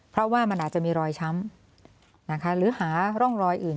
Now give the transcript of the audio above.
เพราะว่ามันอาจจะมีรอยช้ำนะคะหรือหาร่องรอยอื่น